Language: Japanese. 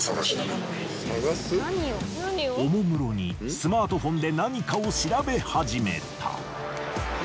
おもむろにスマートフォンで何かを調べ始めた。